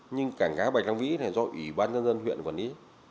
nhưng cảng cá bạch long vĩ này do ủy ban dân dân huyện quản lý